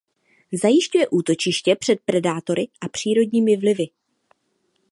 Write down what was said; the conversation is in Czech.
Zajišťuje útočiště před predátory a přírodními vlivy.